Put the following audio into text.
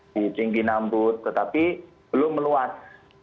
di tinggi nambut tetapi belum meluas